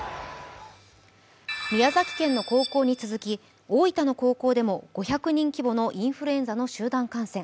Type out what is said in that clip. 宮崎県の高校に続き大分の高校でも５００人規模のインフルエンザの集団感染。